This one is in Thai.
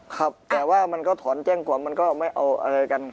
ครับแต่ว่ามันก็ถอนแจ้งความมันก็ไม่เอาอะไรกัน